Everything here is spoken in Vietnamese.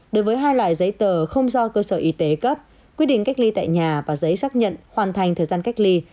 đối với hai loại giấy tờ không do cơ sở y tế cấp quy định cách ly tại nhà và giấy xác nhận hoàn thành thời gian cách ly